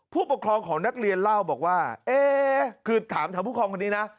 ผู้ปกครองของนักเรียนเล่าบอกว่าเอ๊คือถามทางผู้ครองคนนี้นะ